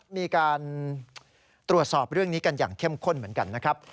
มีการตรวจสอบเรื่องนี้กันอย่างเข้มข้นเหมือนกันนะครับ